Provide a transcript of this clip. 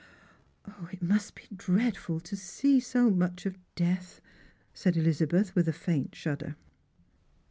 " It must be dreadftil to see so much of death," said Elizabeth, with a faint shudder.